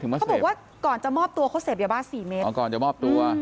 เขาบอกว่าก่อนจะมอบตัวเขาเสพยาบ้า๔เมตรอ๋อก่อนจะมอบตัว